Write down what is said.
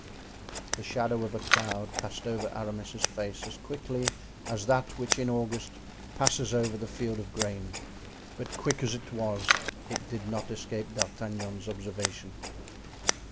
The shadow of a cloud passed over Aramis's face as quickly as that which in August passes over the field of grain; but quick as it was, it did not escape D'Artagnan's observation.